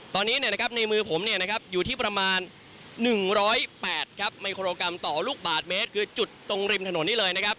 ตอนนี้ในมือผมอยู่ที่ประมาณ๑๐๘ครับไมโครกรัมต่อลูกบาทเมตรคือจุดตรงริมถนนนี้เลยนะครับ